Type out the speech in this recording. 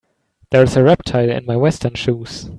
There is a reptile in my western shoes.